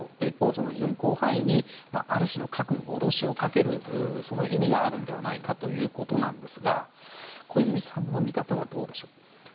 一方、広範囲にある種の核の脅しをかけるその意味があるのではないかということなんですが小泉さんの見方はどうでしょう。